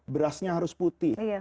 berasnya harus putih